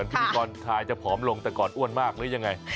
มีกลรกลายจะแผมลงแต่ก่อนอ้วนมากหรือยังไง